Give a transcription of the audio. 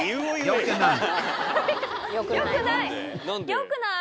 よくない！